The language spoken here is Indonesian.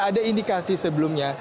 ada indikasi sebelumnya